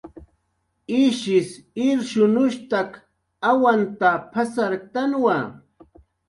Ishis irshunushstak awanta pasarktanwa